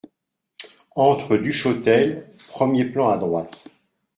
Entre Duchotel, premier plan à droite.